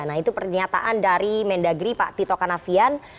nah itu pernyataan dari mendagri pak tito karnavian